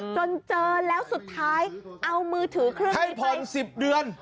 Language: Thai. จนเจอแล้วสุดท้ายเอามือถือเครื่องให้ผ่อน๑๐เดือน